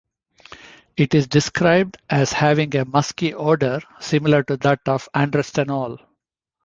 It is described as having a musky odor similar to that of androstenol.